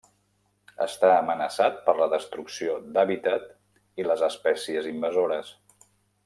Està amenaçat per la destrucció d'hàbitat i les espècies invasores.